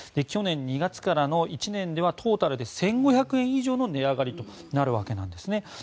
去年２月からの１年ではトータルで１５００円以上の値上がりとなるわけなんですね。